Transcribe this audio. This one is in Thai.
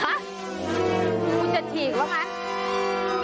คุณจะฉีกหรือเปล่า